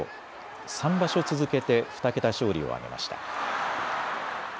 ３場所続けて２桁勝利を挙げました。